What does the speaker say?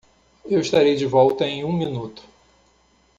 Eu estarei de volta em um minuto.